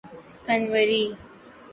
Khanauri